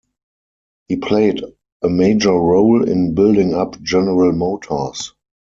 He played a major role in building up General Motors.